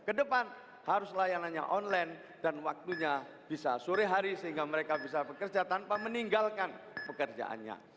kedepan harus layanannya online dan waktunya bisa sore hari sehingga mereka bisa bekerja tanpa meninggalkan pekerjaannya